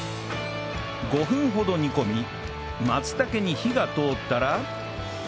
５分ほど煮込み松茸に火が通ったら